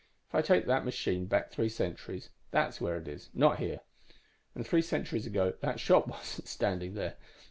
If I take that machine back three centuries, that's where it is not here. And three centuries ago that shop wasn't standing there.